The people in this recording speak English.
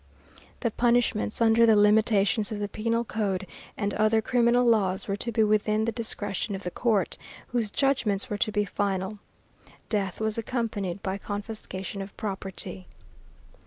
The punishments, under the limitations of the Penal Code and other criminal laws, were to be within the discretion of the court, whose judgments were to be final. Death was accompanied by confiscation of property.